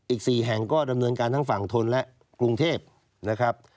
อีก๔แห่งก็ดำเนินการทั้งฝั่งทนและกรุงเทพนะครับ